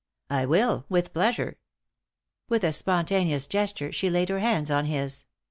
"I will, with pleasure." With a spontaneous gesture she laid her hands on his.